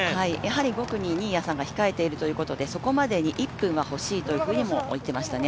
５区に新谷さんが控えているということでそこまでに１分は欲しいと言っていましたね。